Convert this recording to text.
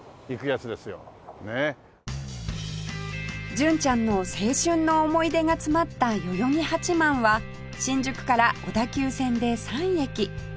純ちゃんの青春の思い出が詰まった代々木八幡は新宿から小田急線で３駅